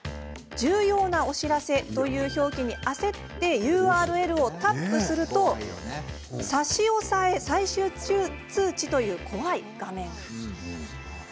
「重要なお知らせ」という表記に焦ってＵＲＬをタップすると「差押最終通知」という怖い画面が！